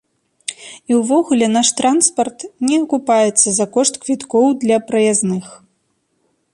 І ўвогуле, наш транспарт не акупаецца за кошт квіткоў для праязных.